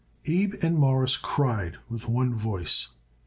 Abe and Morris cried with one voice.